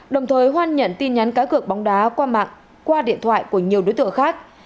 đồng thời hoan nhận tin nhắn cá cược bóng đá qua mạng qua điện thoại của nhiều đối tượng khác